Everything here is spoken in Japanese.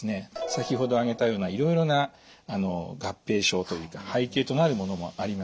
先ほど挙げたようないろいろな合併症というか背景となるものもあります。